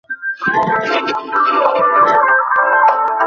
এতক্ষণে পরিষ্কার হলো হঠাৎ করে তাঁর দক্ষিণ আফ্রিকার অনুশীলনে চলে আসার রহস্য।